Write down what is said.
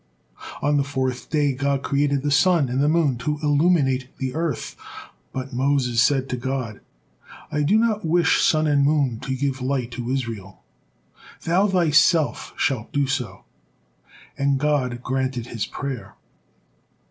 On the fourth day God created the sun and the moon to illuminate the earth, but Moses said to God: "I do not wish sun and moon to give light to Israel, Thou Thyself shalt do so," and God granted his prayer.